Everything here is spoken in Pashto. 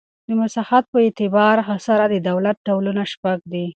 د مساحت په اعتبار سره د دولت ډولونه شپږ دي.